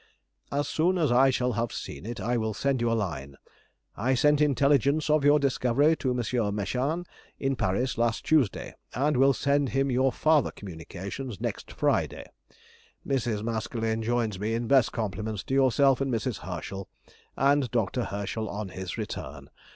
As soon as I shall have seen it I will send you a line. I sent intelligence of your discovery to M. Mechain, at Paris, last Tuesday, and will send to him your farther communication next Friday. Mr. Maskelyne joins me in best compliments to yourself and Mrs. Herschel, and Dr. Herschel on his return.